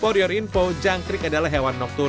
for your info jangkrik adalah hewan nokturnal